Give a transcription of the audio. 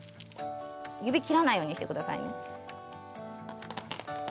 指を切らないようにしてくださいね。